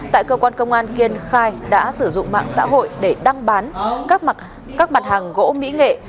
tại cơ quan công an kiên khai đã sử dụng mạng xã hội để đăng bán các mặt hàng gỗ mỹ nghệ